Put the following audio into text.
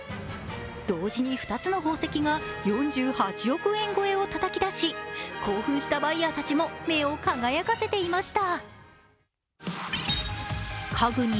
同時に２つの宝石が４８億円超えをたたき出し、興奮したバイヤーたちも目を輝かせていました。